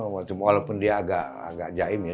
walaupun dia agak jahim ya